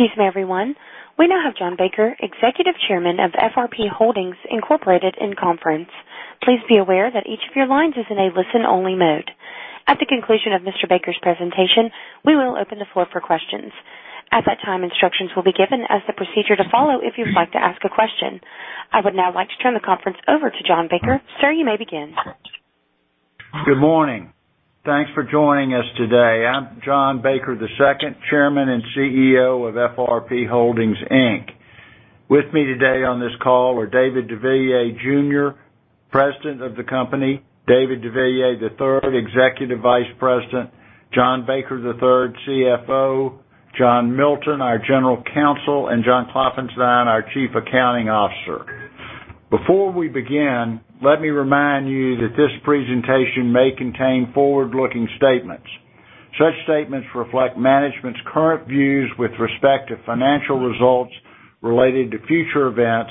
Excuse me, everyone. We now have John Baker, Executive Chairman of FRP Holdings Incorporated in conference. Please be aware that each of your lines is in a listen-only mode. At the conclusion of Mr. Baker's presentation, we will open the floor for questions. At that time, instructions will be given as the procedure to follow if you'd like to ask a question. I would now like to turn the conference over to John Baker. Sir, you may begin. Good morning. Thanks for joining us today. I'm John Baker II, Chairman and CEO of FRP Holdings, Inc. With me today on this call are David deVilliers Jr., President of the company, David deVilliers III, Executive Vice President, John Baker III, CFO, John Milton, our General Counsel, and John Klopfenstein, our Chief Accounting Officer. Before we begin, let me remind you that this presentation may contain forward-looking statements. Such statements reflect management's current views with respect to financial results related to future events,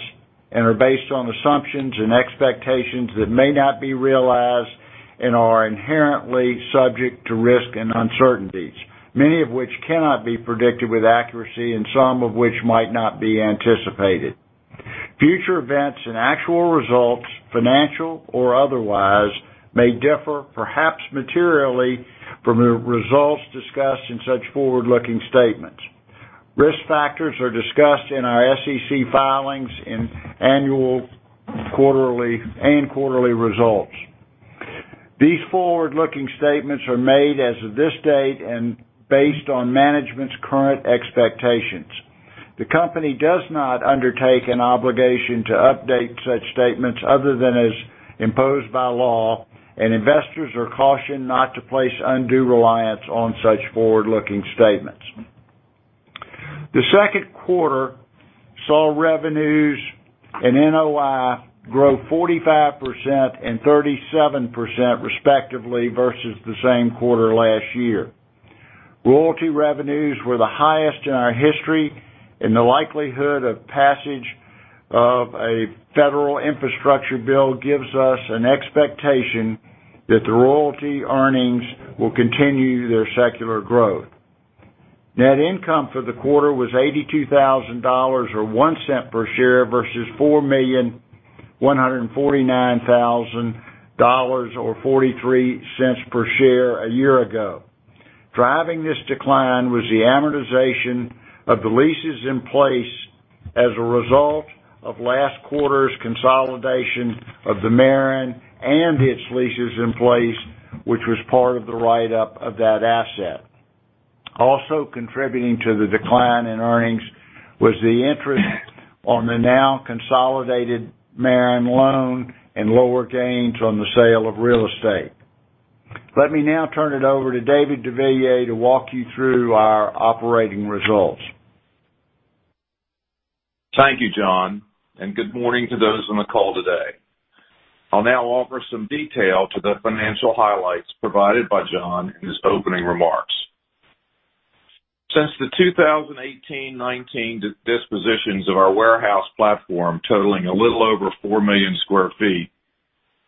and are based on assumptions and expectations that may not be realized and are inherently subject to risk and uncertainties, many of which cannot be predicted with accuracy and some of which might not be anticipated. Future events and actual results, financial or otherwise, may differ, perhaps materially, from the results discussed in such forward-looking statements. Risk factors are discussed in our SEC filings and quarterly results. These forward-looking statements are made as of this date and based on management's current expectations. The company does not undertake an obligation to update such statements other than as imposed by law, and investors are cautioned not to place undue reliance on such forward-looking statements. The second quarter saw revenues and NOI grow 45% and 37%, respectively, versus the same quarter last year. Royalty revenues were the highest in our history, and the likelihood of passage of a federal infrastructure bill gives us an expectation that the royalty earnings will continue their secular growth. Net income for the quarter was $82,000, or $0.01 per share, versus $4,149,000, or $0.43 per share, a year ago. Driving this decline was the amortization of the leases in place as a result of last quarter's consolidation of the Maren and its leases in place, which was part of the write-up of that asset. Also contributing to the decline in earnings was the interest on the now consolidated Maren loan and lower gains on the sale of real estate. Let me now turn it over to David deVilliers to walk you through our operating results. Thank you, John, and good morning to those on the call today. I'll now offer some detail to the financial highlights provided by John in his opening remarks. Since the 2018-19 dispositions of our warehouse platform totaling a little over 4 million sq ft,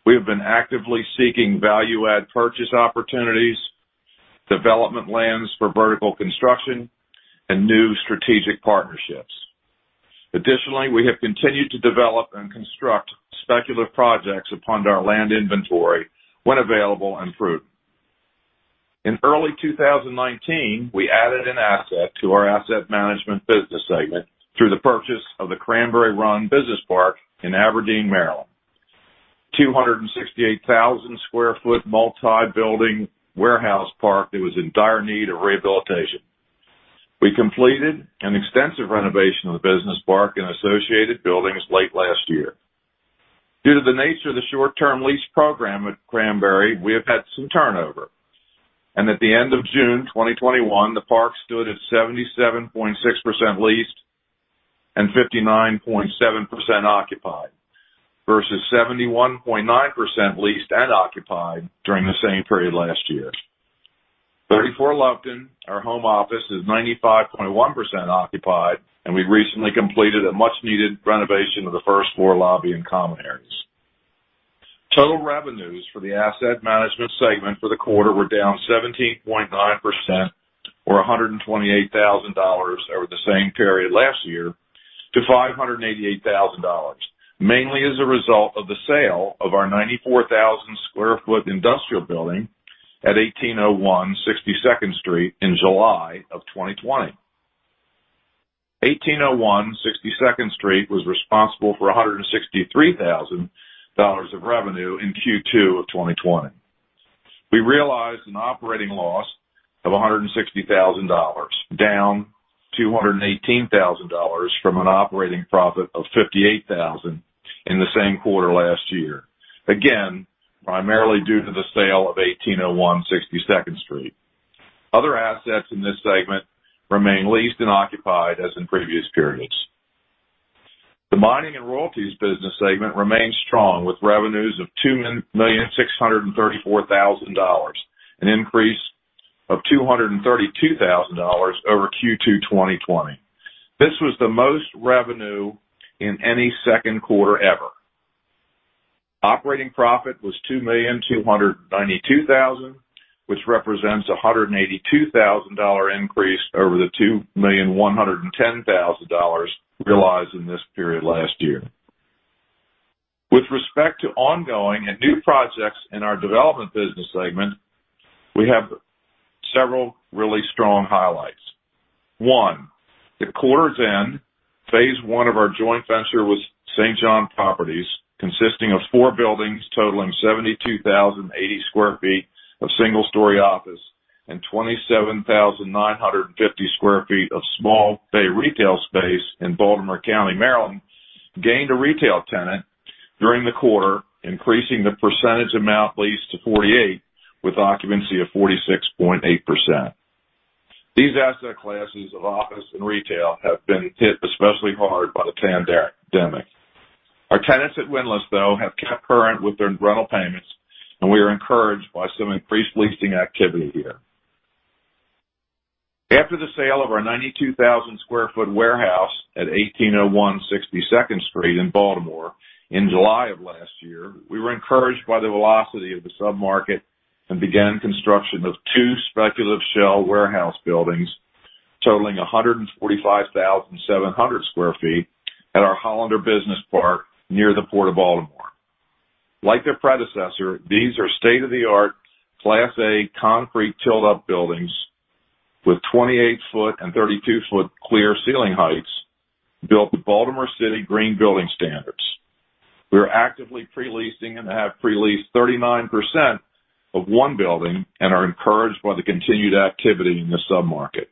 we have been actively seeking value-add purchase opportunities, development lands for vertical construction, and new strategic partnerships. Additionally, we have continued to develop and construct speculative projects upon our land inventory when available and prudent. In early 2019, we added an asset to our asset management business segment through the purchase of the Cranberry Run Business Park in Aberdeen, Maryland. 268,000 sq ft multi-building warehouse park that was in dire need of rehabilitation. We completed an extensive renovation of the business park and associated buildings late last year. Due to the nature of the short-term lease program at Cranberry, we have had some turnover. At the end of June 2021, the park stood at 77.6% leased and 59.7% occupied versus 71.9% leased and occupied during the same period last year. 34 Loveton, our home office, is 95.1% occupied, and we recently completed a much-needed renovation of the first floor lobby and common areas. Total revenues for the asset management segment for the quarter were down 17.9%, or $128,000, over the same period last year to $588,000, mainly as a result of the sale of our 94,000 square foot industrial building at 1801 62nd Street in July of 2020. 1801 62nd Street was responsible for $163,000 of revenue in Q2 of 2020. We realized an operating loss of $160,000, down $218,000 from an operating profit of $58,000 in the same quarter last year. Again, primarily due to the sale of 1801 62nd Street. Other assets in this segment remain leased and occupied as in previous periods. The mining and royalties business segment remains strong with revenues of $2,634,000, an increase of $232,000 over Q2 2020. This was the most revenue in any second quarter ever. Operating profit was $2,292,000, which represents $182,000 increase over the $2,110,000 realized in this period last year. With respect to ongoing and new projects in our development business segment, we have several really strong highlights. One, the quarter's end, phase one of our joint venture with St. John Properties, consisting of four buildings totaling 72,080 sq ft of single-story office and 27,950 sq ft of small bay retail space in Baltimore County, Maryland, gained a retail tenant during the quarter, increasing the percentage amount leased to 48%, with occupancy of 46.8%. These asset classes of office and retail have been hit especially hard by the pandemic. Our tenants at Windlass, though, have kept current with their rental payments, and we are encouraged by some increased leasing activity here. After the sale of our 92,000 sq ft warehouse at 1801 62nd Street in Baltimore in July of last year, we were encouraged by the velocity of the sub-market and began construction of two speculative shell warehouse buildings totaling 145,700 sq ft at our Hollander Business Park near the Port of Baltimore. Like their predecessor, these are state-of-the-art Class A concrete tilt-up buildings with 28 foot and 32 foot clear ceiling heights built to Baltimore City green building standards. We are actively pre-leasing and have pre-leased 39% of one building and are encouraged by the continued activity in the sub-market.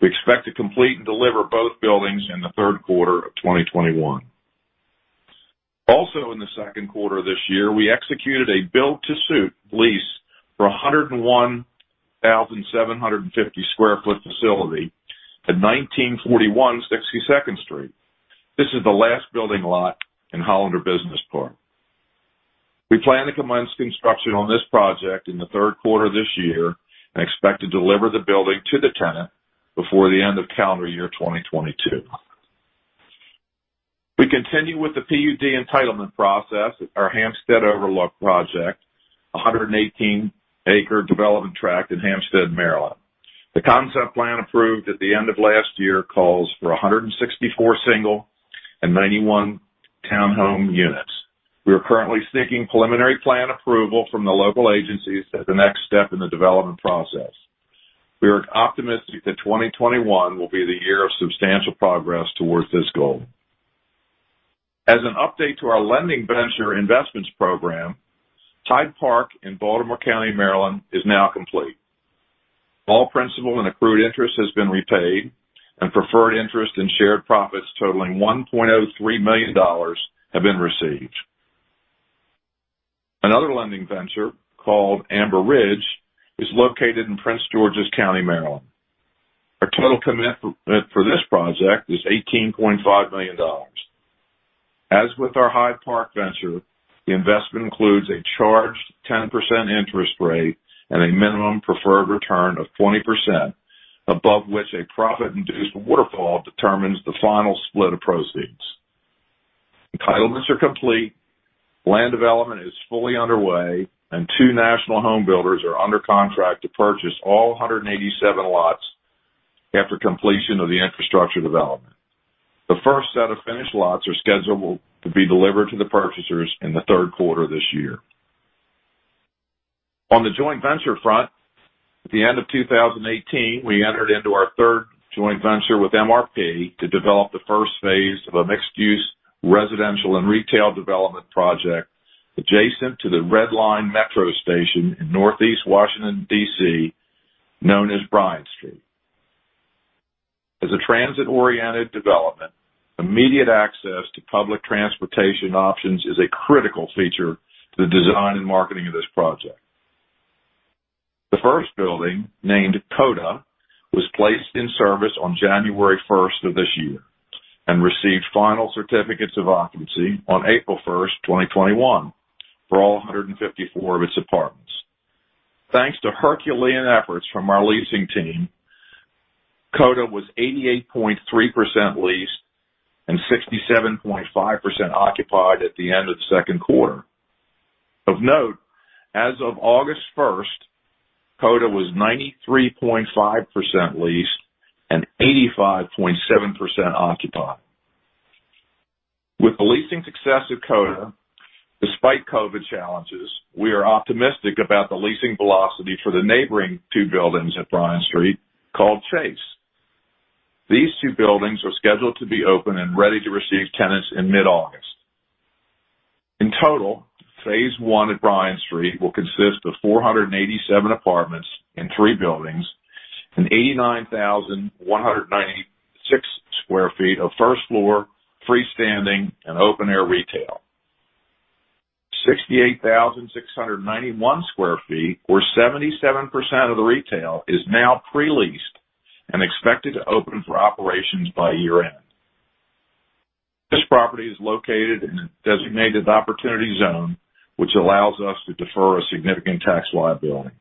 We expect to complete and deliver both buildings in the third quarter of 2021. Also in the second quarter of this year, we executed a build-to-suit lease for 101,750 square foot facility at 1941 62nd Street. This is the last building lot in Hollander Business Park. We plan to commence construction on this project in the third quarter of this year and expect to deliver the building to the tenant before the end of calendar year 2022. We continue with the PUD entitlement process at our Hampstead Overlook project, 118-acre development tract in Hampstead, Maryland. The concept plan approved at the end of last year calls for 164 single and 91 townhome units. We are currently seeking preliminary plan approval from the local agencies as the next step in the development process. We are optimistic that 2021 will be the year of substantial progress towards this goal. As an update to our lending venture investments program, Hyde Park in Baltimore County, Maryland, is now complete. All principal and accrued interest has been repaid and preferred interest and shared profits totaling $1.03 million have been received. Another lending venture called Amber Ridge is located in Prince George's County, Maryland. Our total commitment for this project is $18.5 million. As with our Hyde Park venture, the investment includes a charged 10% interest rate and a minimum preferred return of 20%, above which a profit-induced waterfall determines the final split of proceeds. Entitlements are complete, land development is fully underway, and two national home builders are under contract to purchase all 187 lots after completion of the infrastructure development. The first set of finished lots are scheduled to be delivered to the purchasers in the third quarter of this year. On the joint venture front, at the end of 2018, we entered into our third joint venture with MRP to develop the first phase of a mixed-use residential and retail development project adjacent to the Red Line Metro station in Northeast Washington, D.C., known as Bryant Street. As a transit-oriented development, immediate access to public transportation options is a critical feature to the design and marketing of this project. The first building, named Coda, was placed in service on January 1st of this year and received final certificates of occupancy on April 1st, 2021, for all 154 of its apartments. Thanks to Herculean efforts from our leasing team, Coda was 88.3% leased and 67.5% occupied at the end of the second quarter. Of note, as of August 1st, Coda was 93.5% leased and 85.7% occupied. With the leasing success of Coda, despite COVID challenges, we are optimistic about the leasing velocity for the neighboring two buildings at Bryant Street, called Chase. These two buildings are scheduled to be open and ready to receive tenants in mid-August. In total, phase one at Bryant Street will consist of 487 apartments in three buildings and 89,196 square feet of first-floor freestanding and open-air retail. 68,691 square feet, or 77% of the retail, is now pre-leased and expected to open for operations by year-end. This property is located in a designated Opportunity Zone, which allows us to defer a significant tax liability.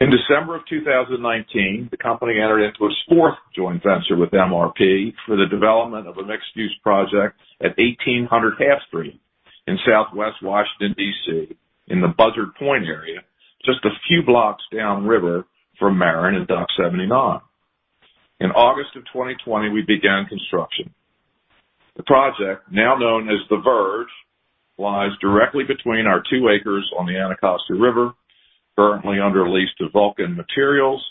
In December of 2019, the company entered into its fourth joint venture with MRP for the development of a mixed-use project at 1800 Half Street in Southwest Washington, D.C., in the Buzzard Point area, just a few blocks downriver from Maren and Dock 79. In August of 2020, we began construction. The project, now known as The Verge, lies directly between our two acres on the Anacostia River, currently under lease to Vulcan Materials,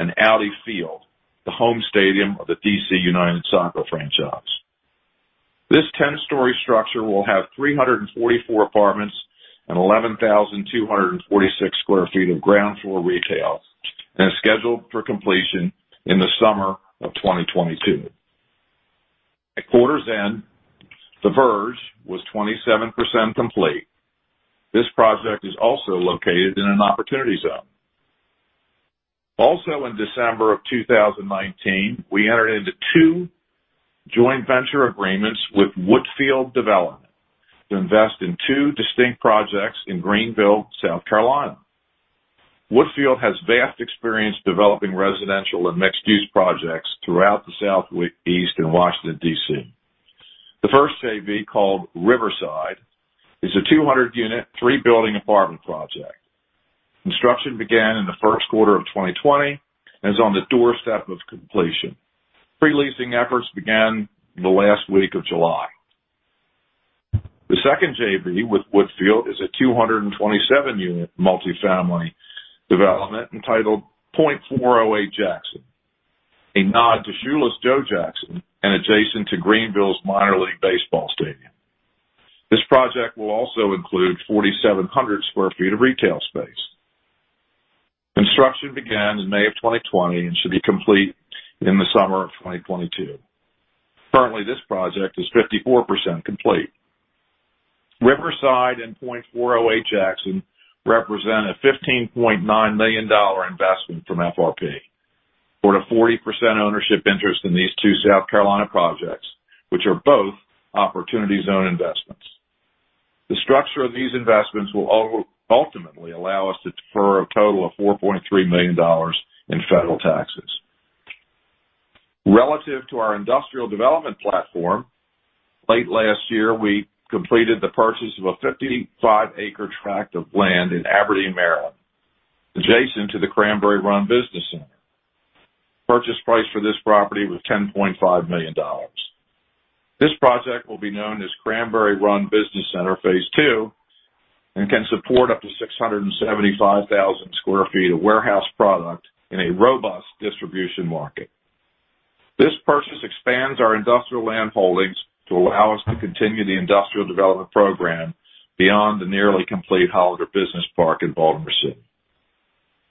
and Audi Field, the home stadium of the D.C. United soccer franchise. This 10-story structure will have 344 apartments and 11,246 sq ft of ground floor retail, and is scheduled for completion in the summer of 2022. At quarter's end, The Verge was 27% complete. This project is also located in an Opportunity Zone. Also, in December of 2019, we entered into two joint venture agreements with Woodfield Development to invest in two distinct projects in Greenville, South Carolina. Woodfield has vast experience developing residential and mixed-use projects throughout the Southeast and Washington, D.C. The first JV, called Riverside, is a 200-unit, three building apartment project. Construction began in the first quarter of 2020 and is on the doorstep of completion. Pre-leasing efforts began the last week of July. The second JV with Woodfield is a 227-unit multifamily development entitled .408 Jackson, a nod to Shoeless Joe Jackson, and adjacent to Greenville's minor league baseball stadium. This project will also include 4,700 square feet of retail space. Construction began in May of 2020 and should be complete in the summer of 2022. Currently, this project is 54% complete. Riverside and .408 Jackson represent a $15.9 million investment from FRP for a 40% ownership interest in these two South Carolina projects, which are both Opportunity Zone investments. The structure of these investments will ultimately allow us to defer a total of $4.3 million in federal taxes. Relative to our industrial development platform, late last year, we completed the purchase of a 55-acre tract of land in Aberdeen, Maryland, adjacent to the Cranberry Run Business Center. Purchase price for this property was $10.5 million. This project will be known as Cranberry Run Business Center Phase Two and can support up to 675,000 sq ft of warehouse product in a robust distribution market. This purchase expands our industrial land holdings to allow us to continue the industrial development program beyond the nearly complete Hollander Business Park in Baltimore City.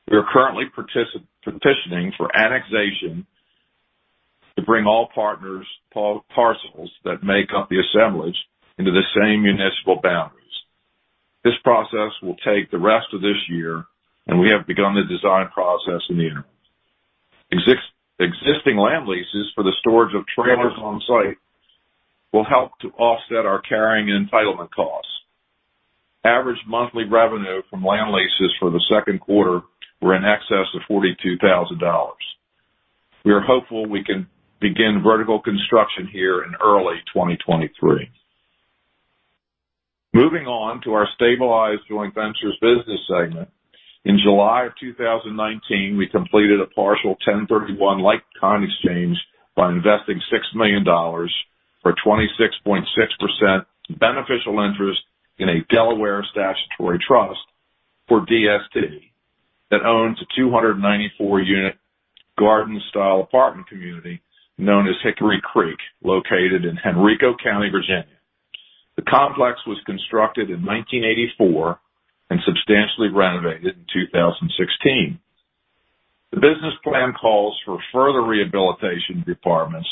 We are currently petitioning for annexation to bring all partners' parcels that make up the assemblage into the same municipal boundaries. This process will take the rest of this year, and we have begun the design process in the interim. Existing land leases for the storage of trailers on-site will help to offset our carrying and entitlement costs. Average monthly revenue from land leases for the second quarter were in excess of $42,000. We are hopeful we can begin vertical construction here in early 2023. Moving on to our stabilized joint ventures business segment. In July of 2019, we completed a partial 1031 like-kind exchange by investing $6 million for 26.6% beneficial interest in a Delaware statutory trust, or DST, that owns a 294-unit garden-style apartment community known as Hickory Creek, located in Henrico County, Virginia. The complex was constructed in 1984 and substantially renovated in 2016. The business plan calls for further rehabilitation of the apartments,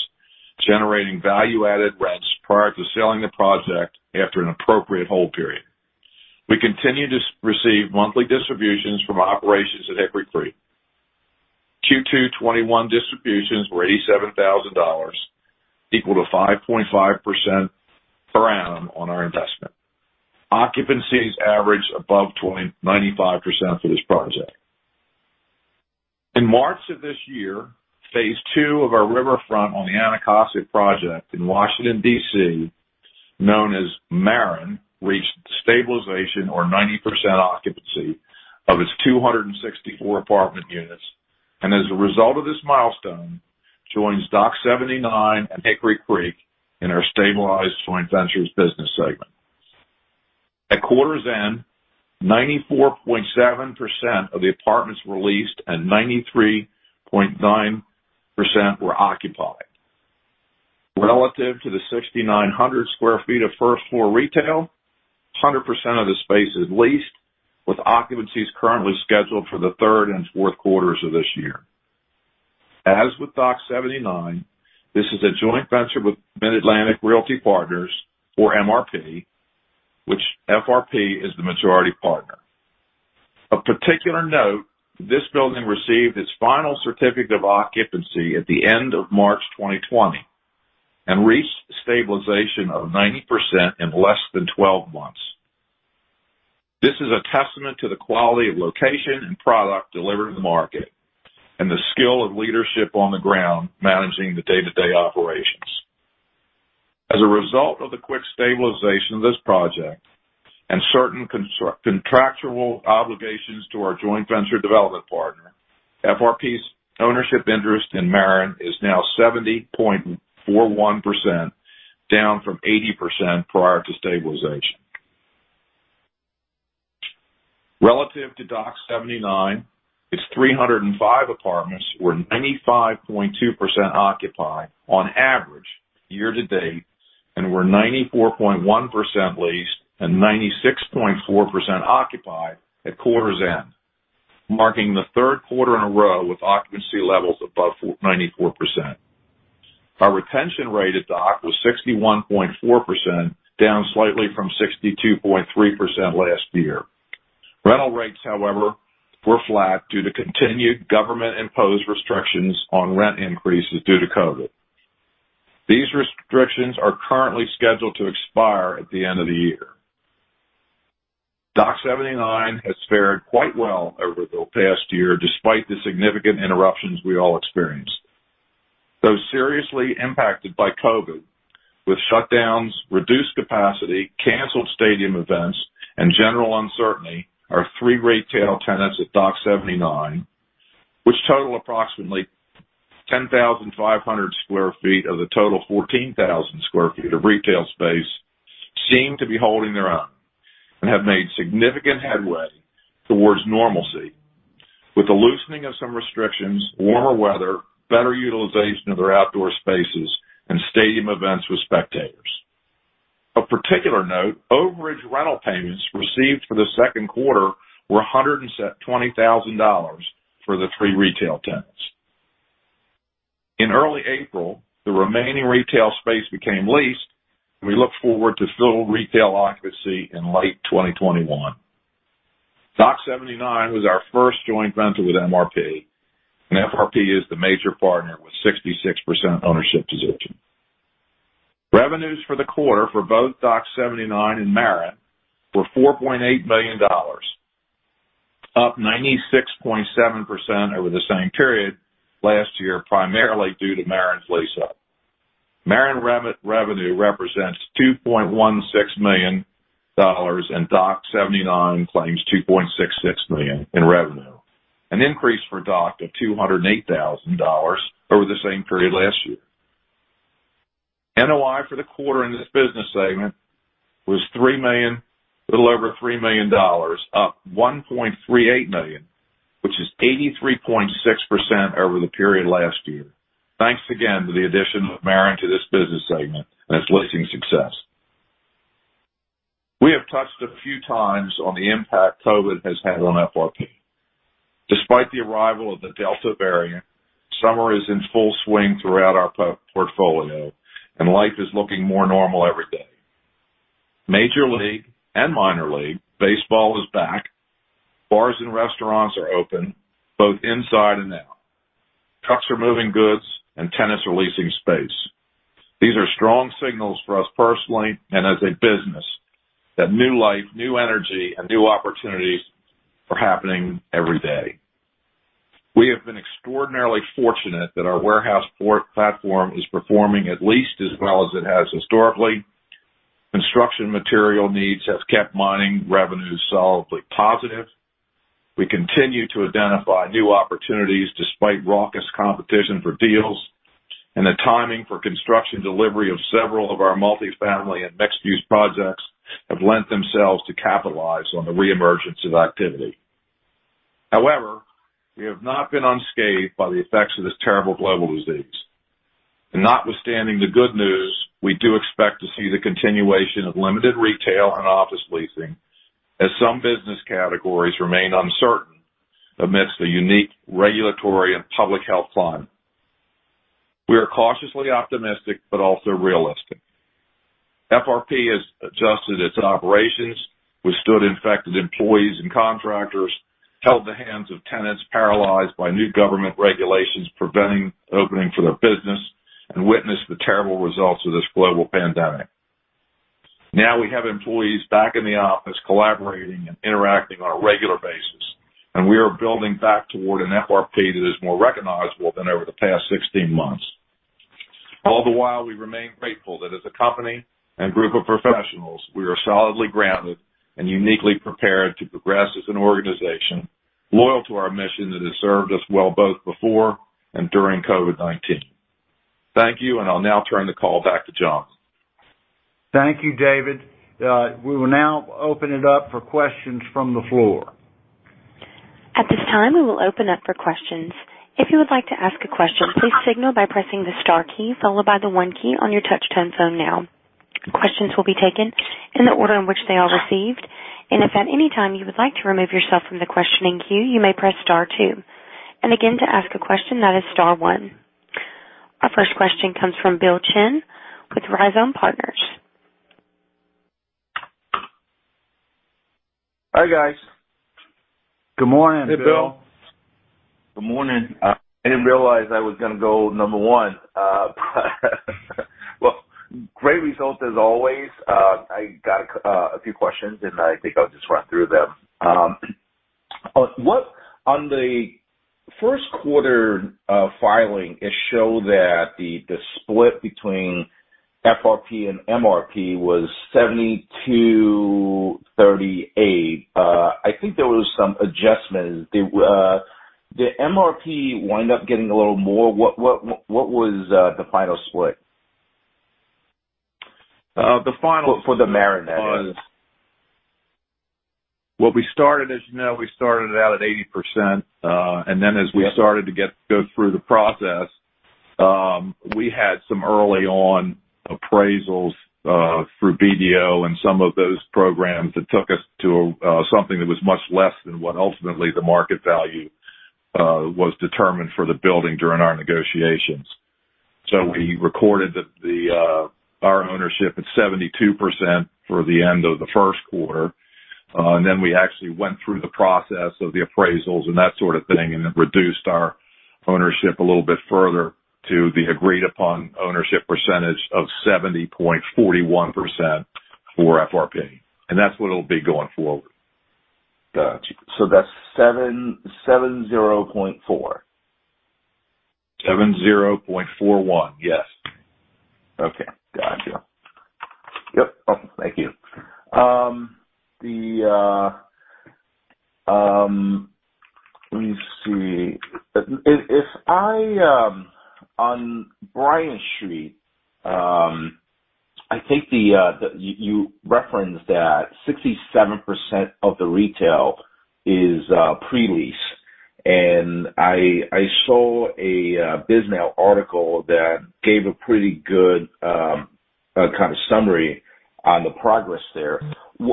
generating value-added rents prior to selling the project after an appropriate hold period. We continue to receive monthly distributions from operations at Hickory Creek. Q2 2021 distributions were $87,000, equal to 5.5% per annum on our investment. Occupancies average above 95% for this project. In March of this year, phase two of our RiverFront on the Anacostia project in Washington, D.C., known as Maren, reached stabilization or 90% occupancy of its 264 apartment units, and as a result of this milestone, joins Dock 79 and Hickory Creek in our stabilized joint ventures business segment. At quarter's end, 94.7% of the apartments were leased, and 93.9% were occupied. Relative to the 6,900 sq ft of first-floor retail, 100% of the space is leased, with occupancies currently scheduled for the third and fourth quarters of this year. As with Dock 79, this is a joint venture with MidAtlantic Realty Partners, or MRP, which FRP is the majority partner. Of particular note, this building received its final certificate of occupancy at the end of March 2020, and reached stabilization of 90% in less than 12 months. This is a testament to the quality of location and product delivered to the market, and the skill of leadership on the ground managing the day-to-day operations. As a result of the quick stabilization of this project and certain contractual obligations to our joint venture development partner, FRP's ownership interest in Maren is now 70.41%, down from 80% prior to stabilization. Relative to Dock 79, its 305 apartments were 95.2% occupied on average year-to-date, and were 94.1% leased and 96.4% occupied at quarter's end, marking the third quarter in a row with occupancy levels above 94%. Our retention rate at Dock was 61.4%, down slightly from 62.3% last year. Rental rates, however, were flat due to continued government-imposed restrictions on rent increases due to COVID. These restrictions are currently scheduled to expire at the end of the year. Dock 79 has fared quite well over the past year, despite the significant interruptions we all experienced. Though seriously impacted by COVID, with shutdowns, reduced capacity, canceled stadium events, and general uncertainty, our three retail tenants at Dock 79, which total approximately 10,500 square feet of the total 14,000 square feet of retail space, seem to be holding their own, and have made significant headway towards normalcy, with the loosening of some restrictions, warmer weather, better utilization of their outdoor spaces, and stadium events with spectators. Of particular note, overage rental payments received for the second quarter were $120,000 for the three retail tenants. In early April, the remaining retail space became leased, and we look forward to full retail occupancy in late 2021. Dock 79 was our first joint venture with MRP, and FRP is the major partner with 66% ownership position. Revenues for the quarter for both Dock 79 and Maren were $4.8 million, up 96.7% over the same period last year, primarily due to Maren's lease-up. Maren revenue represents $2.16 million, and Dock 79 claims $2.66 million in revenue, an increase for Dock of $208,000 over the same period last year. NOI for the quarter in this business segment was a little over $3 million, up $1.38 million, which is 83.6% over the period last year. Thanks again to the addition of Maren to this business segment and its leasing success. We have touched a few times on the impact COVID has had on FRP. Despite the arrival of the Delta variant, summer is in full swing throughout our portfolio, and life is looking more normal every day. Major league and minor league baseball is back. Bars and restaurants are open, both inside and out. Trucks are moving goods and tenants are leasing space. These are strong signals for us personally, and as a business, that new life, new energy, and new opportunities are happening every day. We have been extraordinarily fortunate that our warehouse platform is performing at least as well as it has historically. Construction material needs has kept mining revenues solidly positive. We continue to identify new opportunities despite raucous competition for deals, and the timing for construction delivery of several of our multi-family and mixed-use projects have lent themselves to capitalize on the reemergence of activity. However, we have not been unscathed by the effects of this terrible global disease. Notwithstanding the good news, we do expect to see the continuation of limited retail and office leasing as some business categories remain uncertain amidst a unique regulatory and public health climate. We are cautiously optimistic but also realistic. FRP has adjusted its operations, withstood infected employees and contractors, held the hands of tenants paralyzed by new government regulations preventing opening for their business, and witnessed the terrible results of this global pandemic. Now we have employees back in the office collaborating and interacting on a regular basis, and we are building back toward an FRP that is more recognizable than over the past 16 months. All the while, we remain grateful that as a company and group of professionals, we are solidly grounded and uniquely prepared to progress as an organization loyal to our mission that has served us well both before and during COVID-19. Thank you, and I'll now turn the call back to John. Thank you, David. We will now open it up for questions from the floor. At this time we would open up for questions, if you would like to ask a question, please take note by pressing the star key followed by the one key on your touch tone phone now, questions would be taken in the order in which they are received and if there are any time you would like to remove yourself from the question and queue you may press star two and again to ask a question press star one. Our first question comes from Bill Chen with Rhizome Partners. Hi, guys. Good morning, Bill. Hey, Bill. Good morning. I didn't realize I was going to go number one. Well, great results as always. I got a few questions. I think I'll just run through them. On the first quarter filing, it showed that the split between FRP and MRP was 72/38. I think there was some adjustments. The MRP wind up getting a little more. What was the final split? The final For the Maren Well, we started, as you know, we started out at 80%, then as we started to go through the process, we had some early on appraisals, through BDO and some of those programs that took us to something that was much less than what ultimately the market value was determined for the building during our negotiations. We recorded our ownership at 72% for the end of the first quarter. Then we actually went through the process of the appraisals and that sort of thing, it reduced our ownership a little bit further to the agreed-upon ownership percentage of 70.41% for FRP. That's what it'll be going forward. Got you. That's 70.4. 70.41. Yes. Okay. Got you. Yep. Thank you. Let me see. On Bryant Street, I think you referenced that 67% of the retail is pre-lease. I saw a Bisnow article that gave a pretty good summary on the progress there. I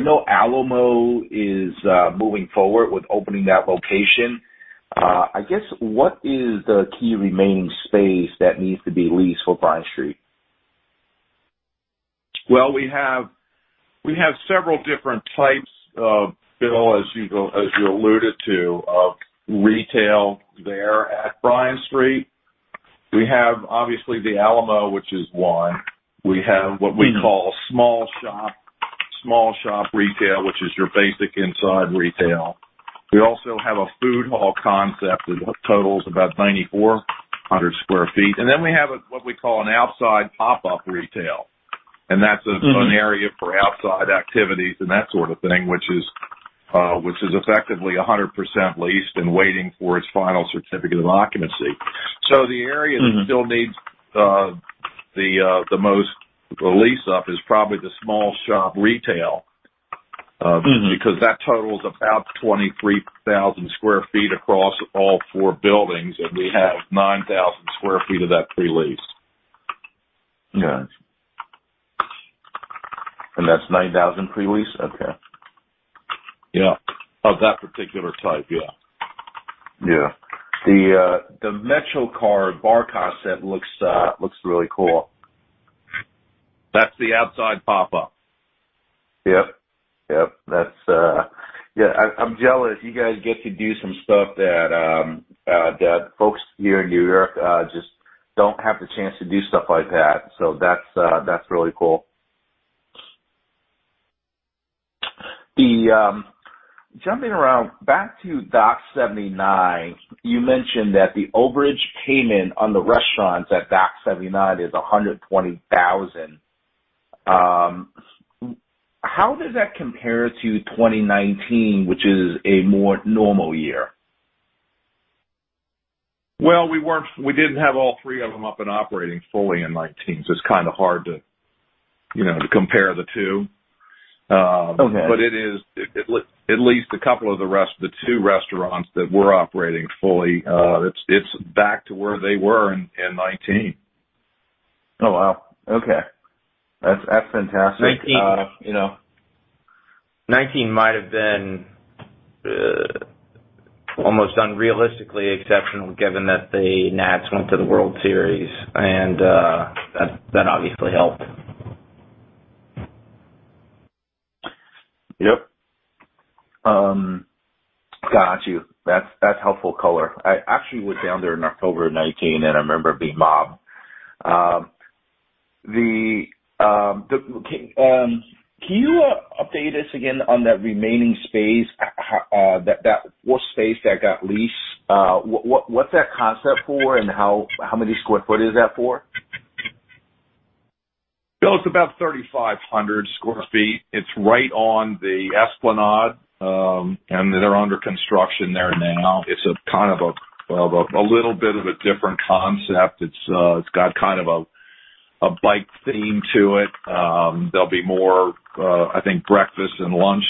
know Alamo is moving forward with opening that location. I guess, what is the key remaining space that needs to be leased for Bryant Street? Well, we have several different types, Bill, as you alluded to, of retail there at Bryant Street. We have, obviously, the Alamo, which is one. We have what we call small shop retail, which is your basic inside retail. We also have a food hall concept that totals about 9,400 sq ft. Then we have what we call an outside pop-up retail. That's an area for outside activities and that sort of thing, which is effectively 100% leased and waiting for its final certificate of occupancy. The area that still needs the most lease up is probably the small shop retail because that totals about 23,000 sq ft across all four buildings, and we have 9,000 sq ft of that pre-leased. Got you. That's 9,000 pre-lease? Okay. Yeah. Of that particular type, yeah. Yeah. The Metro car bar concept looks really cool. That's the outside pop-up. Yep. I'm jealous. You guys get to do some stuff that folks here in New York just don't have the chance to do stuff like that. That's really cool. Jumping around, back to Dock 79, you mentioned that the overage payment on the restaurants at Dock 79 is $120,000. How does that compare to 2019, which is a more normal year? Well, we didn't have all three of them up and operating fully in 2019, so it's kind of hard to compare the two. Okay. At least a couple of the two restaurants that were operating fully, it's back to where they were in 2019. Oh, wow. Okay. That's fantastic. 2019 might have been almost unrealistically exceptional given that the Nats went to the World Series, and that obviously helped. Yep. Got you. That's helpful color. I actually was down there in October of 2019, and I remember it being mobbed. Can you update us again on that remaining space, what space that got leased? What's that concept for, and how many square foot is that for? Bill, it's about 3,500 sq ft. It's right on the esplanade. They're under construction there now. It's a little bit of a different concept. It's got kind of a bike theme to it. There'll be more, I think, breakfast and lunch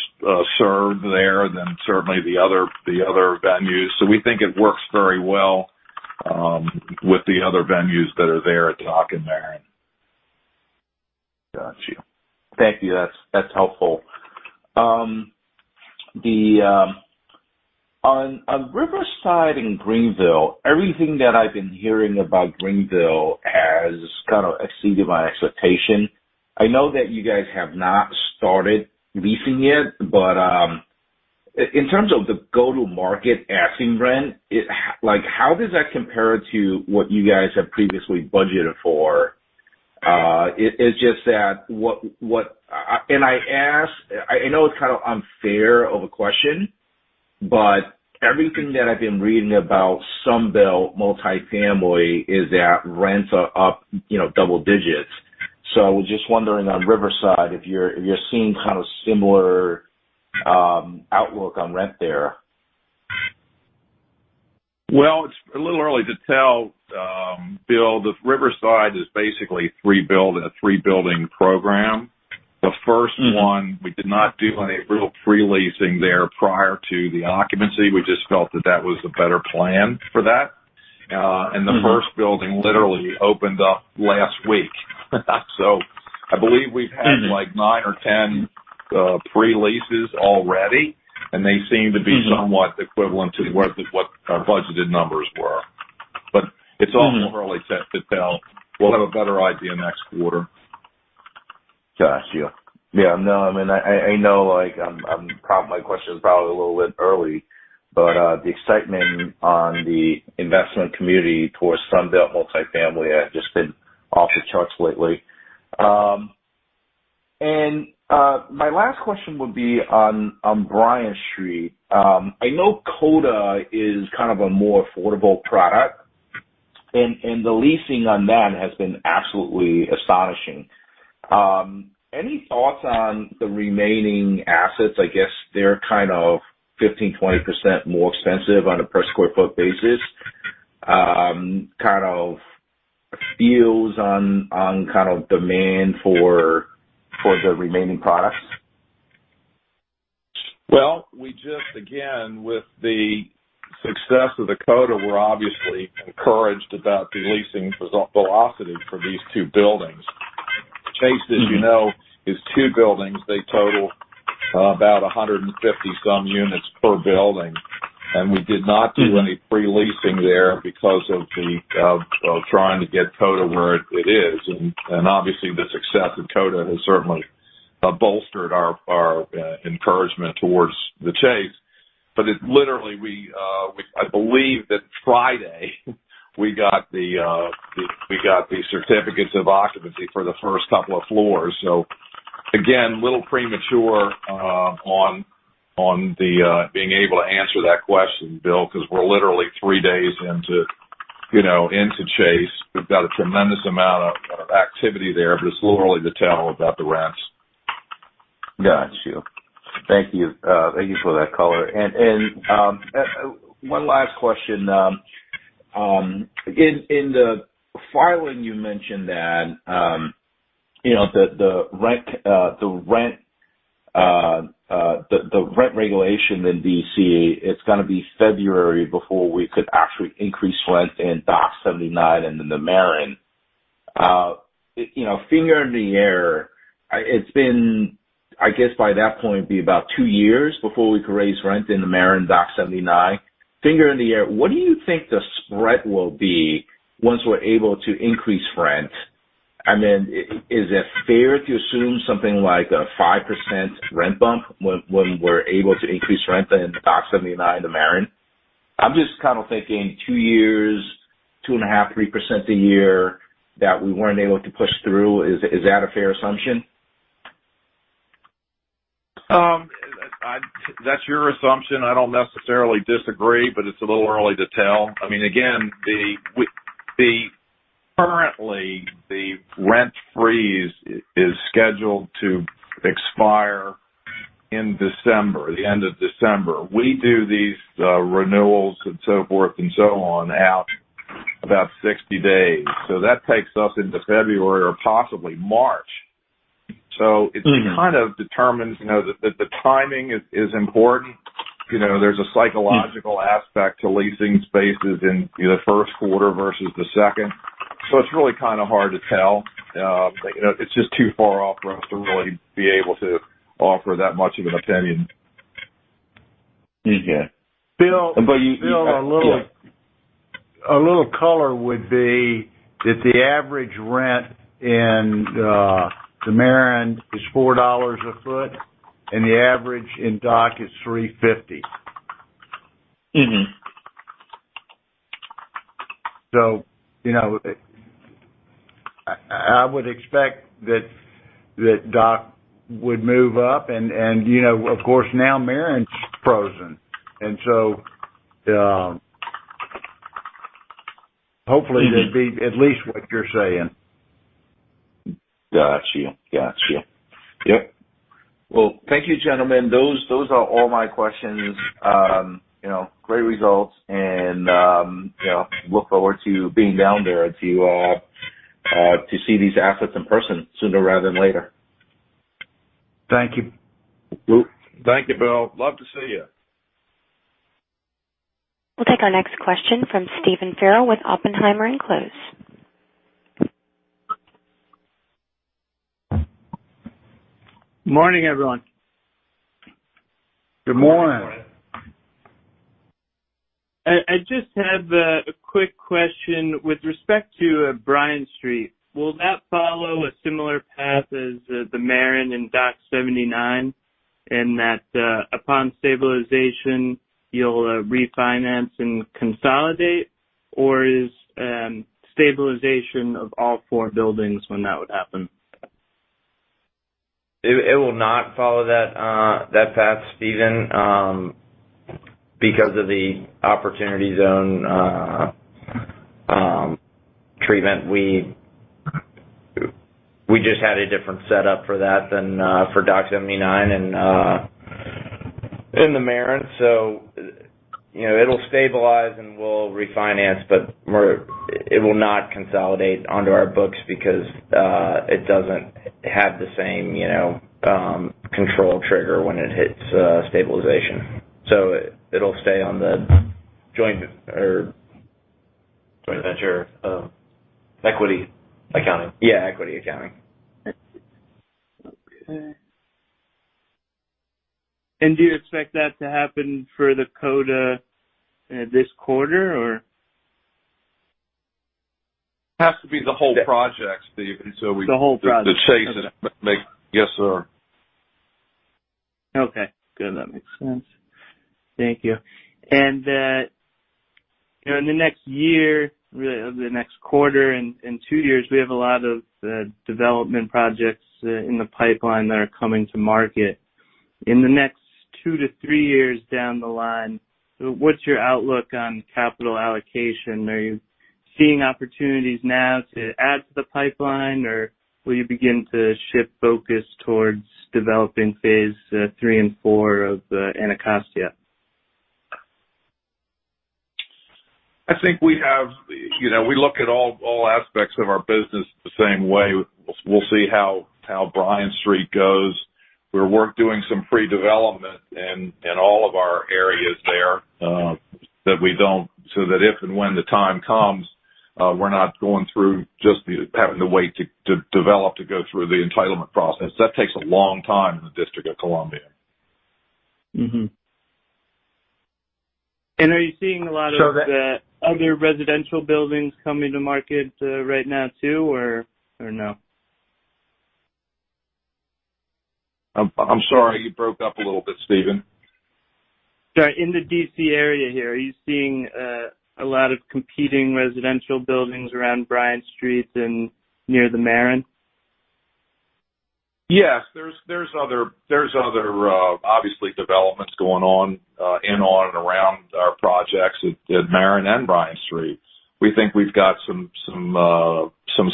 served there than certainly the other venues. We think it works very well with the other venues that are there at Dock 79 and Maren. Got you. Thank you. That's helpful. On Riverside and Greenville, everything that I've been hearing about Greenville has kind of exceeded my expectation. I know that you guys have not started leasing yet, but in terms of the go-to-market asking rent, how does that compare to what you guys have previously budgeted for? I ask, I know it's kind of unfair of a question, but everything that I've been reading about Sunbelt multifamily is that rents are up double digits. I was just wondering on Riverside, if you're seeing kind of similar outlook on rent there. Well, it's a little early to tell, Bill. The Riverside is basically a three-building program. The first one, we did not do any real pre-leasing there prior to the occupancy. We just felt that that was a better plan for that. The first building literally opened up last week. I believe we've had 9 or 10 pre-leases already, and they seem to be somewhat equivalent to what our budgeted numbers were. It's all a little early to tell. We'll have a better idea next quarter. Got you. Yeah. No, I know my question is probably a little bit early, but the excitement on the investment community towards Sunbelt multifamily has just been off the charts lately. My last question would be on Bryant Street. I know Coda is kind of a more affordable product, and the leasing on that has been absolutely astonishing. Any thoughts on the remaining assets? I guess they're kind of 15%, 20% more expensive on a per square foot basis. Kind of feels on demand for the remaining products. Well, we just, again, with the success of the Coda, we're obviously encouraged about the leasing velocity for these two buildings. Chase, as you know, is two buildings. They total about 150 some units per building, and we did not do any pre-leasing there because of trying to get Coda where it is. Obviously, the success of Coda has certainly bolstered our encouragement towards The Chase. It's literally, I believe that Friday we got the certificates of occupancy for the first couple of floors. Again, a little premature on being able to answer that question, Bill Chen, because we're literally three days into Chase. We've got a tremendous amount of activity there, but it's a little early to tell about the rents. Got you. Thank you. Thank you for that color. One last question. In the filing, you mentioned that the rent regulation in D.C., it's going to be February before we could actually increase rent in Dock 79 and in the Maren. Finger in the air, it's been, I guess, by that point, be about two years before we could raise rent in the Maren Dock 79. Finger in the air, what do you think the spread will be once we're able to increase rent? I mean, is it fair to assume something like a 5% rent bump when we're able to increase rent in Dock 79 and the Maren? I'm just kind of thinking two years, two and a half, 3% a year that we weren't able to push through. Is that a fair assumption? That's your assumption. I don't necessarily disagree, but it's a little early to tell. Again, currently the rent freeze is scheduled to expire in December, the end of December. We do these renewals and so forth and so on out about 60 days. That takes us into February or possibly March. It kind of determines that the timing is important. There's a psychological aspect to leasing spaces in the first quarter versus the second. It's really kind of hard to tell. It's just too far off for us to really be able to offer that much of an opinion. Yeah. Bill But you Bill, a little color would be that the average rent in the Maren is $4 a foot, and the average in Dock 79 is $3.50. I would expect that Dock would move up, and of course, now Maren's frozen, and so hopefully they'd be at least what you're saying. Got you. Yep. Well, thank you, gentlemen. Those are all my questions. Great results, and look forward to being down there to see these assets in person sooner rather than later. Thank you. Thank you, Bill. Love to see you. We'll take our next question from Stephen Farrell with Oppenheimer & Co. Morning, everyone. Good morning. I just have a quick question with respect to Bryant Street. Will that follow a similar path as the Maren and Dock 79, in that, upon stabilization, you'll refinance and consolidate? Is stabilization of all four buildings when that would happen? It will not follow that path, Stephen, because of the Opportunity Zone treatment. We just had a different setup for that than for Dock 79 and The Maren. It'll stabilize, and we'll refinance, but it will not consolidate onto our books because it doesn't have the same control trigger when it hits stabilization. It'll stay on the joint venture equity accounting. Yeah, equity accounting. Okay. Do you expect that to happen for the Coda this quarter or? Has to be the whole project, Stephen. The whole project. We have to chase it. Yes, sir. Okay, good. That makes sense. Thank you. That in the next year, really the next quarter and two years, we have a lot of development projects in the pipeline that are coming to market. In the next two to three years down the line, what's your outlook on capital allocation? Are you seeing opportunities now to add to the pipeline, or will you begin to shift focus towards developing phase three and four of Anacostia? I think we look at all aspects of our business the same way. We'll see how Bryant Street goes. We're doing some pre-development in all of our areas there, so that if and when the time comes, we're not going through just having to wait to develop to go through the entitlement process. That takes a long time in the District of Columbia. Mm-hmm. Are you seeing a lot of the other residential buildings coming to market right now too, or no? I'm sorry. You broke up a little bit, Stephen. Sorry. In the D.C. area here, are you seeing a lot of competing residential buildings around Bryant Street and near the Maren? Yes. There's other, obviously, developments going on in and around our projects at Maren and Bryant Street. We think we've got some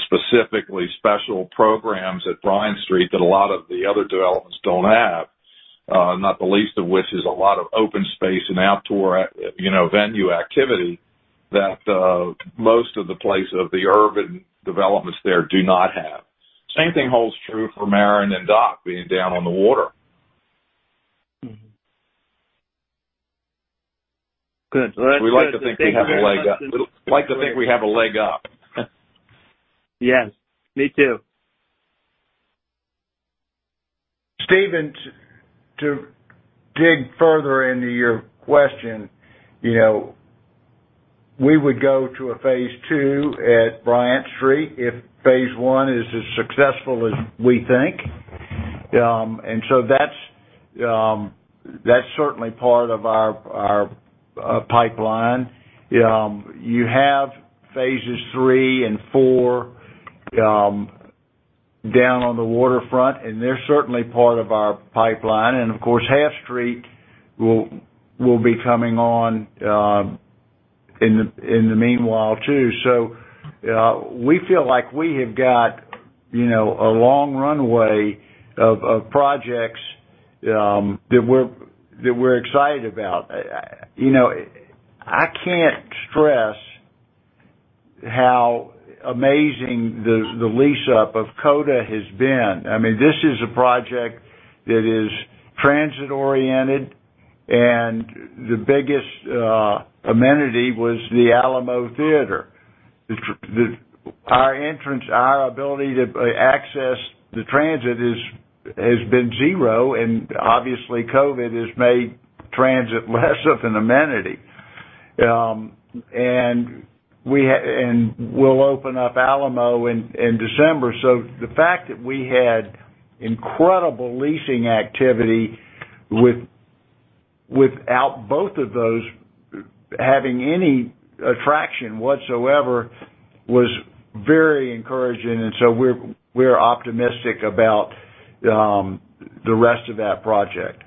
specifically special programs at Bryant Street that a lot of the other developments don't have. Not the least of which is a lot of open space and outdoor venue activity that most of the urban developments there do not have. Same thing holds true for Maren and Dock being down on the water. Mm-hmm. Good. We like to think we have a leg up. Yes. Me too. Stephen, to dig further into your question, we would go to a phase II at Bryant Street if phase I is as successful as we think. That's certainly part of our pipeline. You have phases III and IV down on the waterfront, and they're certainly part of our pipeline. Of course, Half Street will be coming on in the meanwhile too. We feel like we have got a long runway of projects that we're excited about. I can't stress how amazing the lease-up of Coda has been. This is a project that is transit-oriented, and the biggest amenity was the Alamo Theater. Our entrance, our ability to access the transit has been zero, and obviously, COVID has made transit less of an amenity. We'll open up Alamo in December. The fact that we had incredible leasing activity without both of those having any attraction whatsoever was very encouraging, and so we're optimistic about the rest of that project.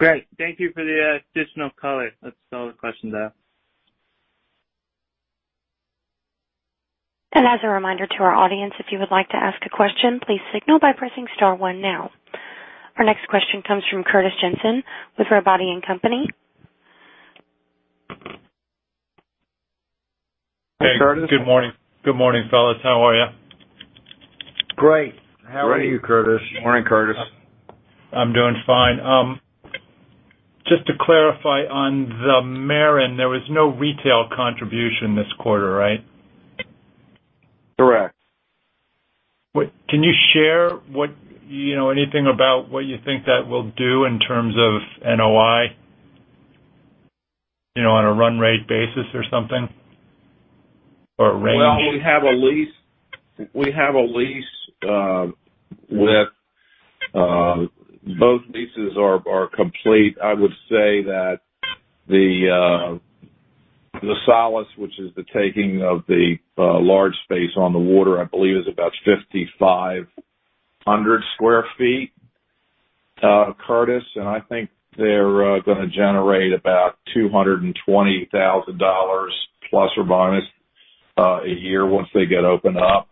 Great. Thank you for the additional color. That's all the questions I have. As a reminder to our audience, if you would like to ask a question, please signal by pressing star one now. Our next question comes from Curtis Jensen with Robotti & Company. Hey, Curtis. Good morning, fellas. How are you? Great. How are you, Curtis? Morning, Curtis. I'm doing fine. Just to clarify on The Maren, there was no retail contribution this quarter, right? Correct. Can you share anything about what you think that will do in terms of NOI on a run rate basis or something? Range? Both leases are complete. I would say that the Solace, which is the taking of the large space on the water, I believe, is about 5,500 sq ft, Curtis, and I think they're going to generate about $220,000 ± a year once they get opened up.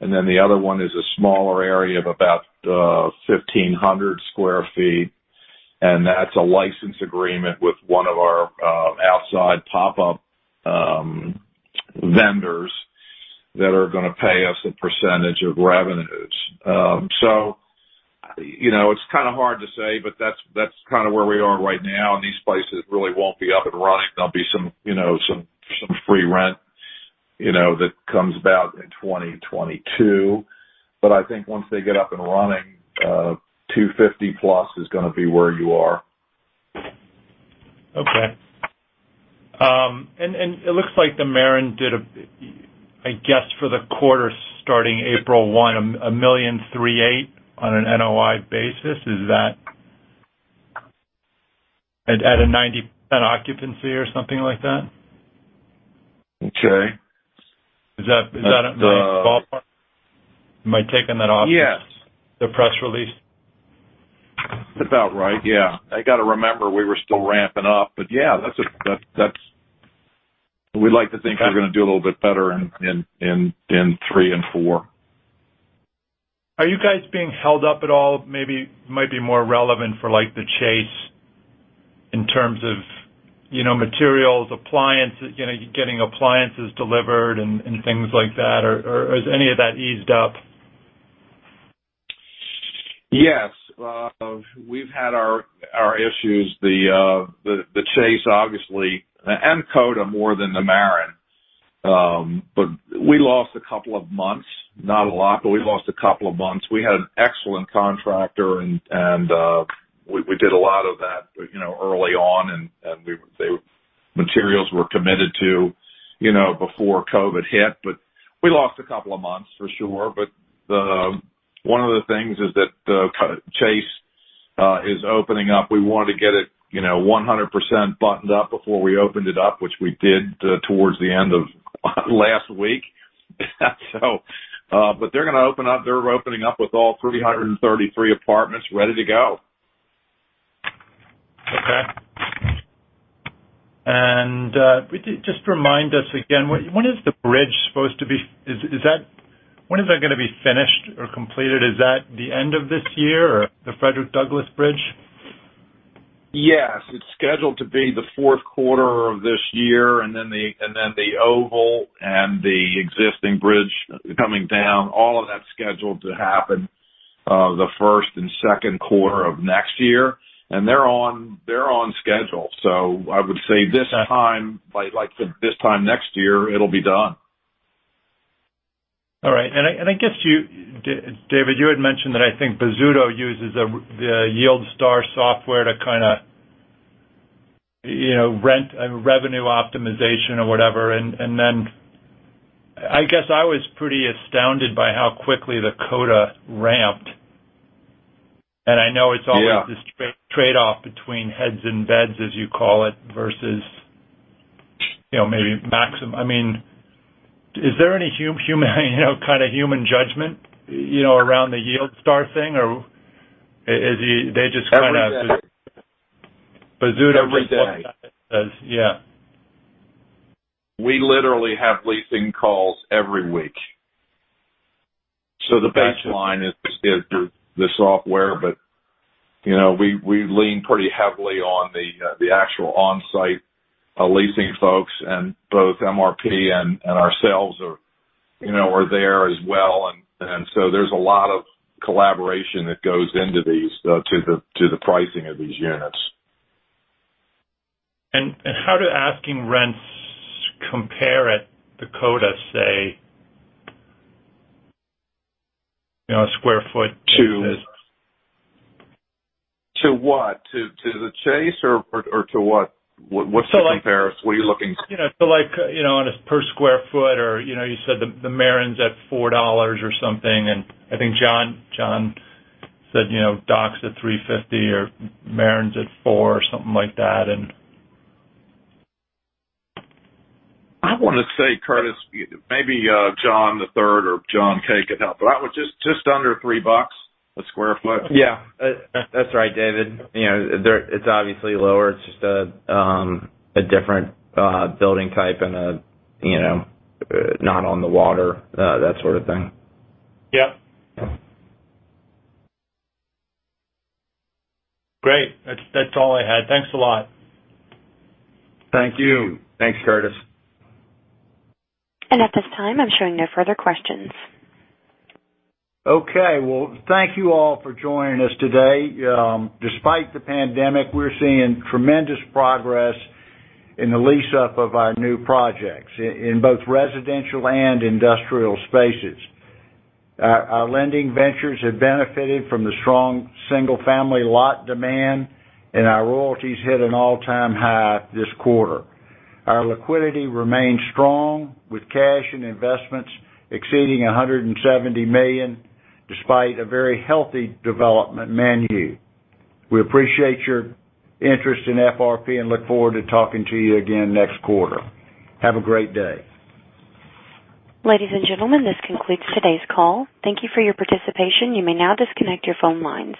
The other one is a smaller area of about 1,500 sq ft, and that's a license agreement with one of our outside pop-up vendors that are going to pay us a percentage of revenues. It's kind of hard to say, but that's where we are right now, and these places really won't be up and running. There'll be some free rent that comes about in 2022. I think once they get up and running, $250+ is going to be where you are. Okay. It looks like The Maren did, I guess for the quarter starting April 1, $1,380,000 on an NOI basis. Is that at a 90% occupancy or something like that? Okay. Am I taking that off Yes the press release? That's about right, yeah. I got to remember, we were still ramping up, but yeah. We'd like to think we're going to do a little bit better in three and four. Are you guys being held up at all? Maybe might be more relevant for The Chase in terms of materials, getting appliances delivered and things like that, or has any of that eased up? Yes. We've had our issues. The Chase, obviously, and Coda more than The Maren. We lost a couple of months. Not a lot, but we lost a couple of months. We had an excellent contractor, and we did a lot of that early on, and the materials were committed to before COVID hit. We lost a couple of months, for sure. One of the things is that The Chase is opening up. We wanted to get it 100% buttoned up before we opened it up, which we did towards the end of last week. They're going to open up. They're opening up with all 333 apartments ready to go. Okay. Just remind us again, when is that going to be finished or completed? Is that the end of this year? The Frederick Douglass Bridge? Yes. It's scheduled to be the fourth quarter of this year, and then the oval and the existing bridge coming down, all of that's scheduled to happen the first and second quarter of next year. They're on schedule. I would say this time next year, it'll be done. All right. I guess, David, you had mentioned that I think Bozzuto uses the Yield Star software to kind of rent and revenue optimization or whatever. I guess I was pretty astounded by how quickly the Coda ramped. Yeah This trade-off between heads and beds, as you call it, versus maybe maxim. Is there any kind of human judgment around the YieldStar thing? Every day. Bozzuto Every day. Yeah. We literally have leasing calls every week. The baseline is the software, but we lean pretty heavily on the actual on-site leasing folks, and both MRP and ourselves are there as well. There's a lot of collaboration that goes into the pricing of these units. How do asking rents compare at the Coda, say, sq ft? To what? To the Chase, or to what? What's the comparison? What are you looking- On a per square foot, or you said The Maren's at $4 or something, and I think John said Dock's at $350 or Maren's at $4 or something like that. I want to say, Curtis, maybe John III or John K. could help, but just under $3 a square foot. Yeah. That's right, David. It's obviously lower. It's just a different building type and not on the water, that sort of thing. Yep. Great. That's all I had. Thanks a lot. Thank you. Thanks, Curtis. At this time, I'm showing no further questions. Okay. Well, thank you all for joining us today. Despite the pandemic, we're seeing tremendous progress in the lease-up of our new projects in both residential and industrial spaces. Our lending ventures have benefited from the strong single-family lot demand, and our royalties hit an all-time high this quarter. Our liquidity remains strong with cash and investments exceeding $170 million, despite a very healthy development menu. We appreciate your interest in FRP and look forward to talking to you again next quarter. Have a great day. Ladies and gentlemen, this concludes today's call. Thank you for your participation. You may now disconnect your phone lines.